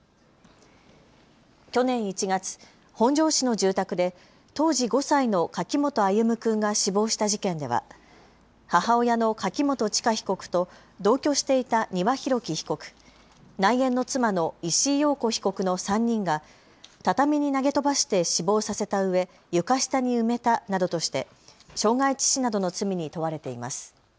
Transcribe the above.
去年１月、本庄市の住宅で当時５歳の柿本歩夢君が死亡した事件では母親の柿本知香被告と同居していた丹羽洋樹被告、内縁の妻の石井陽子被告の３人が畳に投げ飛ばして死亡させたうえ床下に埋めたなどとして傷害致死などの罪に問われています。